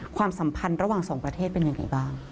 ความสัมพันธ์ระหว่างสองประเทศเป็นยังไงบ้าง